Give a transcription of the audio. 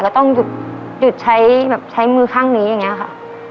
ก็ต้องหยุดใช้มือข้างนี้อย่างเงี้ยค่ะ